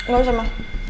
gak usah ma